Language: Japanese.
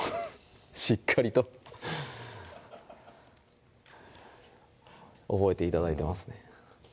しっかりと覚えて頂いてますね